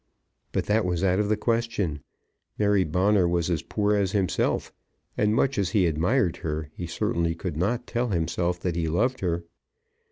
But that was out of the question. Mary Bonner was as poor as himself; and, much as he admired her, he certainly could not tell himself that he loved her.